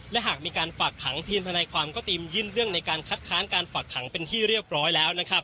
และหากมีการฝักขังทคก็ติมยื่นเรื่องในการคัดค้านการฝักขังเป็นที่เรียบร้อยแล้ว